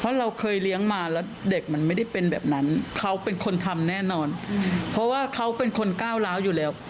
เพราะเราเคยเลี้ยงมาแล้วเด็กมันไม่ได้เป็นแบบนั้นเขาเป็นคนทำแน่นอนเพราะว่าเขาเป็นคนก้าวร้าวอยู่แล้ว